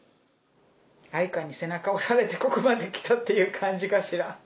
愛華に背中を押されてここまで来たっていう感じかしら。